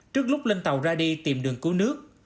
trước lúc lên tàu ra đi tìm đường cứu nước